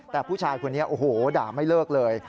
แต่ผู้ชายคนนี้โอ้โหด่าไม่เลิกเลย